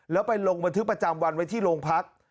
แล้วไปลงบันทึกประจำวันไว้ที่โรงพัก